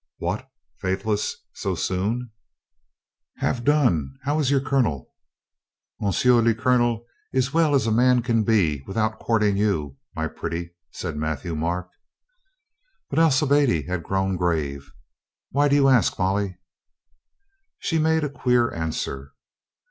"What ! Faithless so soon !" 264 COLONEL GREATHEART ''Have done! How is your Colonel?" "M. le Colonel is as well as a man can be without courting you, my pretty," said Matthieu Marc. But Alcibiade had grown grave. "Why do you ask, Molly?" She made a queer answer.